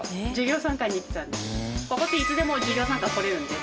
ここっていつでも授業参観来れるので。